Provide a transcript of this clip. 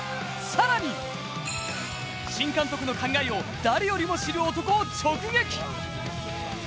更に、新監督の考えを誰よりも知る男を直撃。